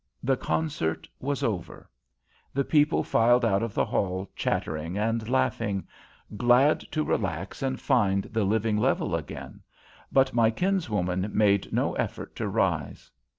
The concert was over; the people filed out of the hall chattering and laughing, glad to relax and find the living level again, but my kinswoman made no effort to rise.